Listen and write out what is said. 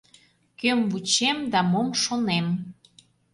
Кöм вучем да мом шонем –